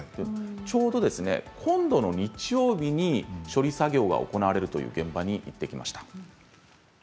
ちょうど今度の日曜日に処理作業が行われるという現場に行ってきました。